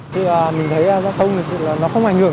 thì mình thấy giao thông